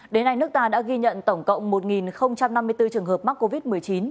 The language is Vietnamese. đến nay nước ta đã ghi nhận tổng cộng một năm mươi bốn trường hợp mắc covid một mươi chín